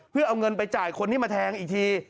เพื่อเอาเงินไปจ่ายคนที่มาแทงอีกที